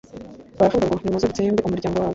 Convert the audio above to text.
baravuga ngo nimuze dutsembe umuryango wabo